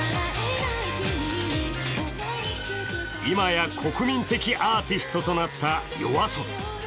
今や国民的アーティストとなったＹＯＡＳＯＢＩ。